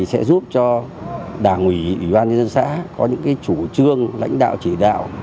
sẽ giúp cho đảng ủy ủy ban nhân dân xã có những chủ trương lãnh đạo chỉ đạo